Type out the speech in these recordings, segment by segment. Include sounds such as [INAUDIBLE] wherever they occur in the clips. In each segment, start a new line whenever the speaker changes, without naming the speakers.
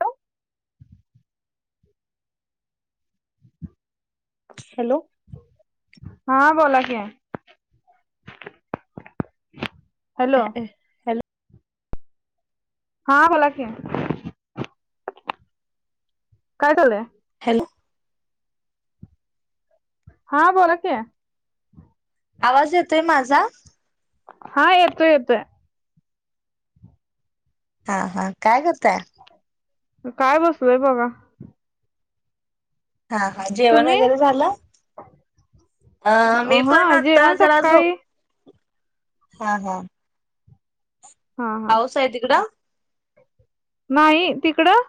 तर
हॅलो.
हा बोला की. हॅलो.
हॅलो.
हा बोला की. काय झालंय?
[UNINTELLIGIBLE]
हा बोला की.
आवाज येतोय माझा?
हा येतोय येतोय.
हा हा काय करताय?
काय बसलोय बघा.
हा हा जेवण
तुम्ही
वगैरे झालं? आ मी पण
हा
आता
जेवण
जरा
सकाळी
झोप हा हा.
हा हा
पाऊस आहे तिकडं.
नाही तिकडं.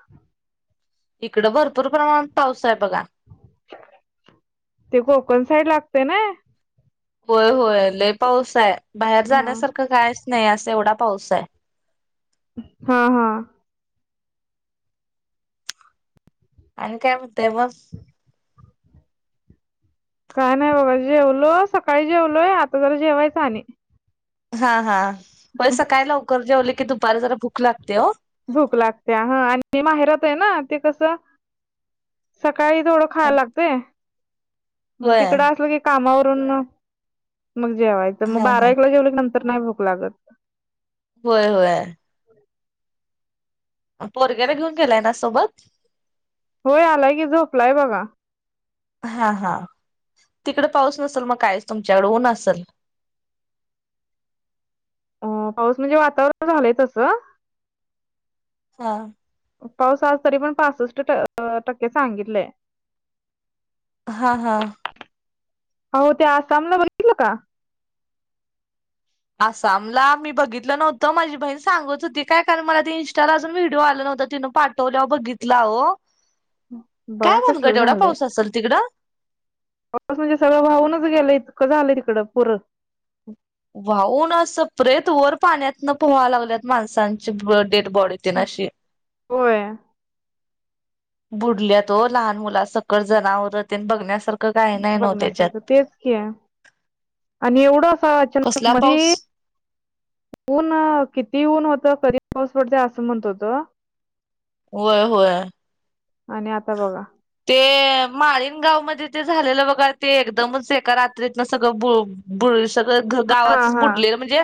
इकडं भरपूर प्रमाणात पाऊस आहे बघा.
ते कोकण साइड लागते नाय.
होय होय लय पाऊस आहे, बाहेर
हा
जाण्यासारखं कायच नाही असा एवढा पाऊस आहे.
हा हा,
आणि काय म्हणताय मग.
ह [INAUDIBLE] काय नाही बगा जेवलो सकाळी जेवलोय आता जरा जेवायचं आणि.
हा हा, होय सकाळी लवकर जेवल की, दुपारी जरा भूक लागत्या हो.
भूक लागते ह आणि माहेरात आहे ना ते कसं. सकाळी थोडं खायला लागतंय. मग
होय
तिकड असल की, काम आवरून मग जेवायच. त मग
हा
बारा
हा
एकला जेवल कि नंतर नाही भूक लागत.
होय होय, पोरग्याला घेऊन गेलाय ना सोबत.
होय आलाय की, झोपलाय बघा.
हा हा, तिकडे पाऊस नसल मग कायच तुमच्याकड ऊन असल.
अ पाऊस म्हणजे वातावरण झालंय तसं.
''हां''
पाऊस आज तरी पण पासष्ट ट टक्के सांगितलंय.
हा हा,
अवो ते आसामला बघितलं का.
आसामला मी बघितलं नव्हतं माझी बहीण सांगत होती, काय कारण मला ते इंस्टाला अजून व्हिडिओ आलं नव्हता तिनं पाठवल. ठवल्यावर बघितला हो काय
बघा कसलं
भानगड एवढा
झालंय
पाऊस असल तिकडं.
पाऊस म्हणजे सगळं वाहूनच गेलंय इतकं झालंय तिकडं पुरं.
हम्म, वाहून असं प्रेत वर पाण्यातन पोहा लागल्यात माणसांची डेड बॉडी. तेनास्नी अशी.
होय,
बुडल्यात हो लहान मुला सकट जनावर त्यन बघण्यासारखं. काही नाही नव्ह त्याच्यात.
बघण्यासारखं तेच कि, आणि एवढं [UNINTELLIGIBLE] असं अचानक
कसला
मधी
पाऊस?
ऊन किती ऊन होत कधी पाऊस पडतय असं म्हणत होत.
होय होय,
आणि आता बघा.
ते माळीन गाव मध्ये ते झालेलं बघा ते एकदमच एका रात्रीतनं सगळं बु''--'' बुडलय सगळं
हा
गावाचाच
हा
बुडलेल म्हणजे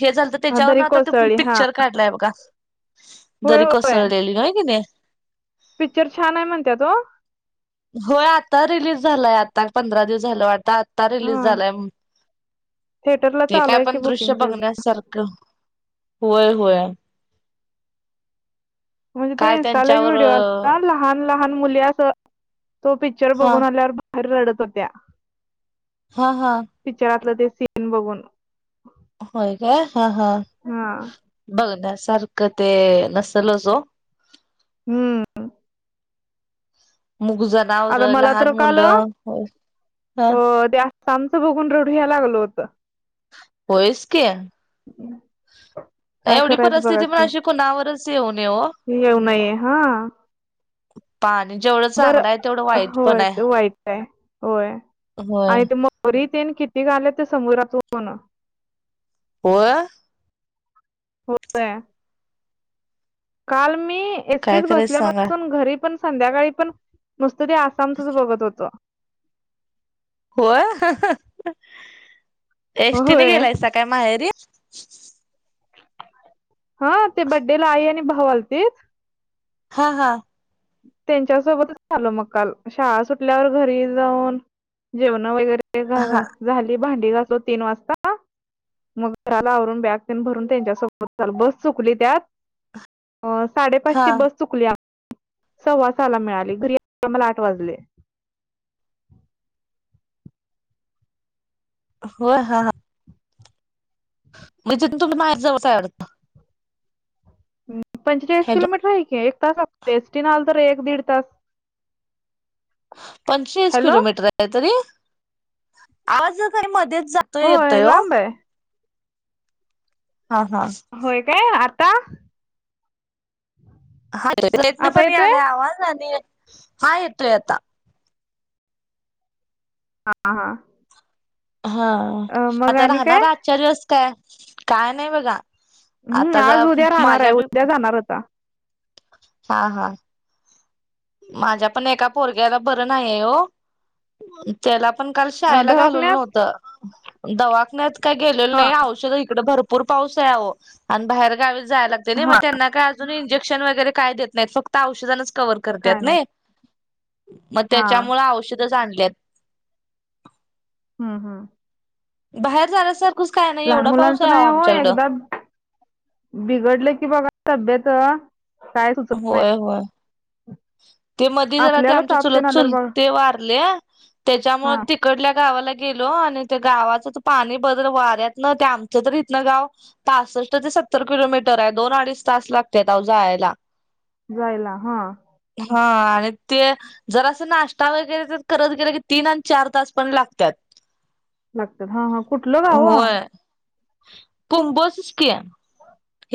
हे झालत.
हा
त्याच्यावरन
दरी
आता तो
कोसळली हा
पिक्चर काढलाय बघा
होय
दरी
होय
कोसळलेली होय कनी.
पिक्चर छान आहे म्हणत्यात हो.
होय आता रिलीज झालंय आता पंधरा दिवस झालं वाटत आता. ता रिलीज
हा
झालाय
थिएटरला
ते
चालू
काय
आहे की
पण
बुकिंग
दृश्य
त्याच
बघण्यासारखं. क होय होय,
म्हणजे तो
काय
इनस्टाला एक
त्यांच्यावर
व्हिडिओ असता लहान लहान मुली अस तो पिक्चर
हा
बघून आल्यावर. रडत होत्या.
हा हा
पिक्चरातलं ते सीन बघून,
होय काय हा हा
हा
बघण्यासारखं ते नसलच ओ.
हम्म
मुग जनावर
आता मला
लहान
तर काल अ
मुलं
त्या [UNINTELLIGIBLE] बघून रढू यायला लागल होतं.
होयच की,
काय
एवढी
करायचं बघा
परिस्थिती पण
की
अशी कुणावरच येऊ नये ओ.
येऊ नये हा.
पाणी जेवढं
बर
चांगलं आहे तेवढं वाईट पण
होय
आहे
ते वाईट आहे होय
हो.
आणि ते मगरी ते येन किती [UNINTELLIGIBLE]
होय.
होय. काल मी
काय
एसटीच
करायच सांगा
बसल्यापासून घरी पण संध्याकाळी पण नुस्त ते आसामचच बघत होतो.
होय, एस टी ने
होय
गेलायसा काय माहेरी?
हा ते बड्डेला आई आणि भाऊ आलतीत
हा हा
त्यांच्या सोबतच आलो मग काल शाळा सुटल्यावर घरी जाऊन जेवण वगैरे
हा
झाली भांडी घासून तीन वाजता. मग घराला आवरून बॅग तेन भरून त्यांच्यासोबत आलो बस चुकली त्यात अ साडेपाच
हा
ची बस चुकली आ सव्वासाहाला मिळाली घरी यायला मला आठ वाजले.
होय हा ह. म्हनजे तेथून तुमच माहेर जवळच आहे वाढतं?
पंचेचाळीस
हॅलो
किलोमीटर आहे की एक तास लागतोय एस टीन आल तर एक दीड तास.
पंचेचाळीस
हॅलो
किलोमीटर आहे तरी आवाजाला काय मध्येच जा
होय लांब आहे.
हा हा
होय काय आता?
हा
आता
[UNINTELLIGIBLE]
येतोय
यालय आवाज आणि हा येतोय आता.
हा हा
हा
अं, मग
आता
आणि काय
राहणार आजच्या दिवस काय? काय नाही बघा.
हम्म,
आता जा
आज उद्या राहणार आहे
माझ्या बी
उद्या जाणार होता
हा हा. माझ्या पण एका पोरग्याला बरं नाही हो. त्याला पण काल
अ
शाळेला घालवलं
दवाखान्यात
नव्हतं दवाखण्यात काही गेलेलं
हा
नाही औषध इकडे भरपूर पाऊस आहे आओ आणि बाहेर गावी जायला लागतंयनी मग
हा
त्यांना काय इंजेक्श वैगेरे काय देत नाहीत फक्त औषधच कव्हर करत्यात
काय नाही
नई मग
हा
त्याच्यामुळे औषधच आणल्यात.
हम्म हम्
बाहेर जाण्यासारखंच काय नाही एवढा पाऊस आहे आओ आमच्याकडं.
बिघडल की बघा तब्बीत काय सुचत नाही.
होय होय ते मध्ये जरा ते
आपल्याला
आमच्या
ताप तेन
चुलत
आल्यावर बघा
चुलते वारल्या त्याच्यामुळे
हा
ते इकडल्या गावाला गेलो आणि त्या गावाचं तर पाणी बदल वाऱ्यात न ते आमचं तर इथनं गाव पासष्ट ते सत्तर किलोमीटर आहे, दोन अडीच तास लागत्यात आओ जायला.
जायला हा.
हा आणि ते जरास नाश्ता वगैरे तर करत गेलं की, तीन आणि चार तास पण लागतात.
लागतात. हा हा कुठलं गावं?
कुंभोज च की.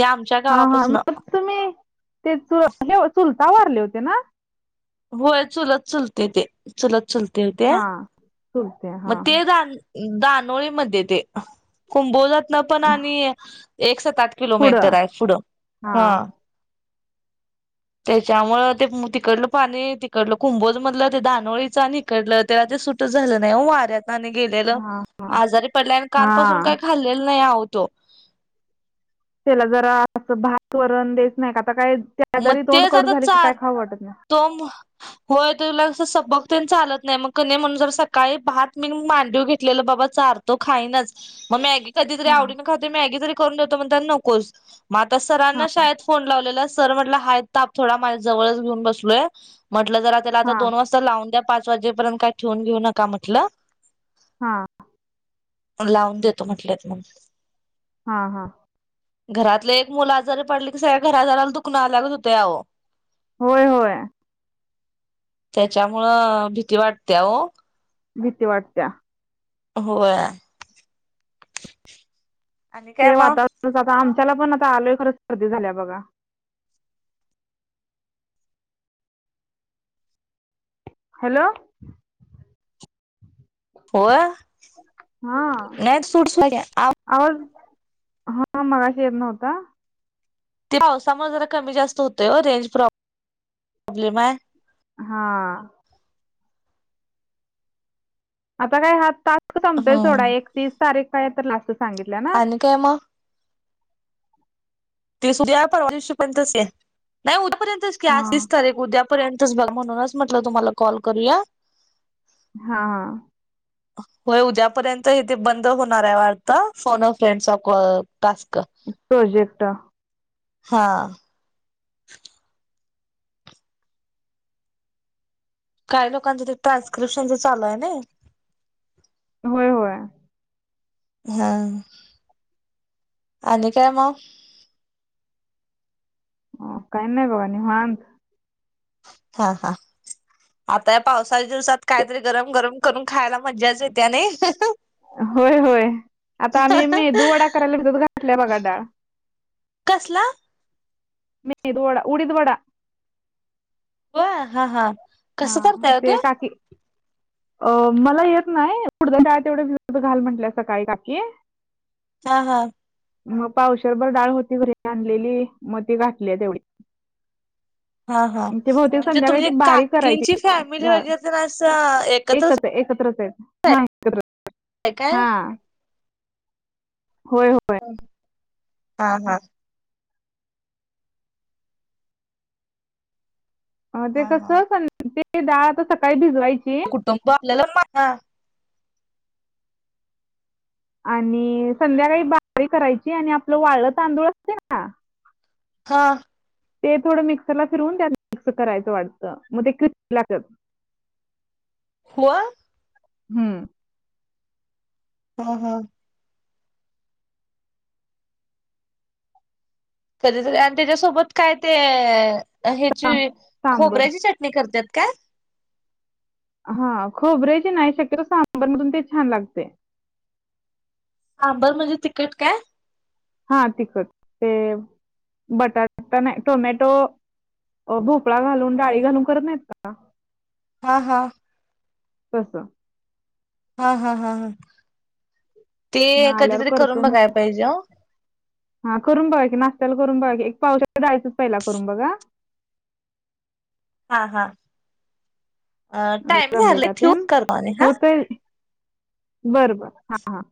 आमच्या
हा हा.
गावापासन
मग तुम्ही तेच चुलता वारले होते ना.
होय. चुलत चुलते ते चुलत चुलते होत्या.
हा चुलते
मग
हा
ते दान दानोळीमध्ये ते. कुंभोजातन पण आणि एक सात-आठ किलो मिटर
पुढं
आहे पुढं.
हा.
त्याच्यामुळ ते तिकडलं पाणी, तिकडलं कुंभोज मधलं ते दानोळीच आणि हिकडंलं त्याला ते सुटच झालं ना ही. वाऱ्यात आणि गेलेलं.
हा हा
आजारी पडलाय आणि कालपासून
हा
काही खाल्लेलं नाही आहो तो.
त्याला जरा अस भात वरण देत नाही का. आता काय ते
मग
आजारी तोंड
तेच
कडू
आता
झाली की, काय
चार
खाऊ वाटत नाही.
तो म होय तुला सपक तेन चालत नाही. मग कनि म्हणून जरासं सकाळी भात मी मांडीवर घेतलेलं बाबा चार तो. खाईनाच मग मॅगी कधीतरी आवडीन
हा
खातोय मॅगी. तरी करून देतो म्हणतांन नको. मग आता सरांना शाळेत फोन लावलेला. तर म्हटलं आहे ताप थोडा माझ्या जवळ घेऊनच बसलोय. म्हटलं जरा
हा
आता दोन वाज ता लावून द्या. पाच वाजेपर्यंत काय ठेवून नका म्हटलं.
हा.
लावून देतो म्हटल्यात मग.
हा हा.
घरातले एक मुल आजारी पडल की, सगळ्या घरादाराला दुखण आल्यागत होतय अहो.
होय होय.
त्याच्यामुळं भीती वाटते हो.
भीती वाटत्या.
होय. आणि काय
हे
मग
वातावरणच आता आमच्याला पण आता आलय खरं सर्दी झाल्या बघा. हॅलो.
होय.
हा
नाही सूट साड्या
आवाज. हा मगाशी येत नव्हता.
ते पावसामुळे जरा कमी जास्त होते हो. रेंज प्रॉ प्रॉब्लेम आहे.
हा. आता काय हा टास्क संपतोय सोडा.
हम्म
एकतीस तारीख काय तर लास्ट सांगितल्या ना.
आणि काय मग? तीसरी आता ओ तीस पर्यंत असेल. नाही उद्यापर्यंतचकी
हा
आज तीस तारीख उद्यापर्यंत. तेच बघा. म्हणूनच म्हटलं तुम्हाला कॉल करूया.
हा.
ह. [UNINTELLIGIBLE] होय उद्यापर्यंत. हे ते बंद होणार आहे वाटत. फोन अ फ्रेंडचा ओ टास्क.
प्रोजेक्ट.
हा. काही लोकांचं ते ट्रान्स्क्रिप्शनचं चालू आहे नाही.
होय होय.
हां आणि काय म
अं काय नायी बघा निवांत.
हां हां आता या पावसाळी दिवसात
ते
कायतरी गरम गरम करून खायला मजाच येत्यानयी?
होय होय आता आम्ही मेदू वडा कराला, भिजत घातल्या बघा डाळ.
कसला?
मेदुवडा उडीद वडा.
होय हां हां.
हां ते काकी अं मला येत नाय उडदाची डाळ तेवढी भिजत घाल म्हंटल्या सकाळी काकी.
हांहां
मग पावशरभर डाळ होती, घरी आणलेली म ती घातल्या तेवढी.
हा हा
ते बहुतेक
म्हणजे
संध्याकाळी
तुम्ही
ती
का
बारीक करायची
किंची फॅमिली
डाळ
वगैरे तेन असं एकत्रच
एकच आहे एकत्रच
[INAUDIBLE] काय काय?
हां. होय औ
हांहां.
अं ते
हा हा
कसं सं ते डाळ अता सकाळी भिजवायची
कुटुंब [INAUDIBLE]
आणि संध्याकाळी बारीक करायची, आणि आपलं वाळलं तांदूळ असतेयं नां
हां.
ते थोडं मिक्सरला फिरवून त्यात मिक्स करायचं वाटतं, मग ते क्रि [INAUDIBLE] लागत
होय.
हुं.
हां हां. कधीतर आणि त्याच्यासोबत काय ते अ ह्याची
सांबर
खोबऱ्याची चट ती करत्यात का?
हां खोबरयाची नाही, शक्यतो सांबारमधून ते छान लागतय.
आंबर म्हणजे, तिकट काय?
हां तिकट ते बटाटा नाय टोमॅटो अं भोपळा घालून डाळी घालून करत नाहीत का?
हां हां.
तसं.
हां हां हां ह ते
मग आल्यावर
कधीतरी करून
करतो मग.
बघाय पाहिजे ओ.
हां करून बघा की नाश्त्याला करून बघा एक पावशर डाळीचच पहिला करून बघा.
हां हां अ टाइम
जमतंय का
झालं
ते?
ठेवू करतो आणि हां.
बर बर हां.